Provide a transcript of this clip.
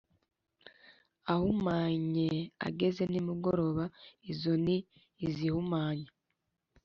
Ahumanye ageze nimugoroba izo ni izihumanya